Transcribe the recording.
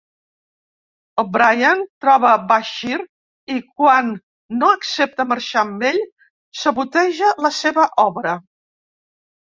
O'Brien troba Bashir, i quan no accepta marxar amb ell, saboteja la seva obra.